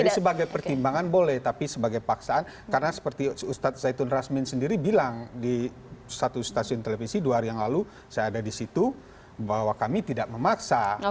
jadi sebagai pertimbangan boleh tapi sebagai paksaan karena seperti ustaz zaitun razmin sendiri bilang di satu stasiun televisi dua hari yang lalu saya ada disitu bahwa kami tidak memaksa gitu loh